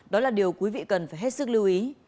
đó là điều quý vị cần phải hết sức lưu ý